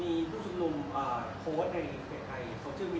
มีคำว่าโดนน้ำเข้าไปแล้วมีอาการทันอะไรอย่างนี้